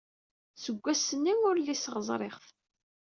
Seg wass-nni ur uliseɣ ẓriɣ-t.